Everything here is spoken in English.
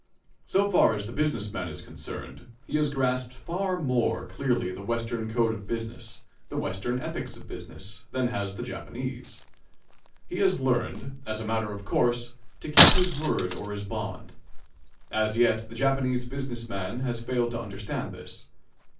So far as the business man is concerned he has grasped far more clearly the Western code of business, the Western ethics of business, than has the Japanese. He has learned, as a matter of course, to keep his word or his bond. As yet, the Japanese business man has failed to understand this.